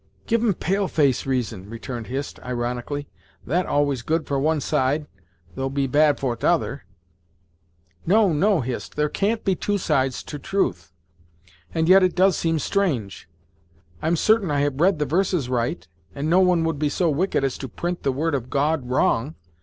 "Give 'em pale face reason," returned Hist, ironically "that always good for one side; though he bad for t'other." "No no Hist, there can't be two sides to truth and yet it does seem strange! I'm certain I have read the verses right, and no one would be so wicked as to print the word of God wrong.